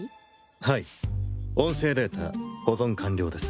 はい音声データ保存完了です。